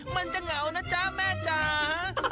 มันจะเหงานะจ๊ะแม่จ๋า